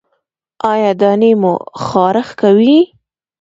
ایا دانې مو خارښ کوي؟